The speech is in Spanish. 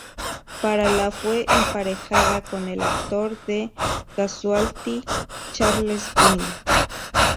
Para la fue emparejada con el actor de "Casualty", Charles Venn.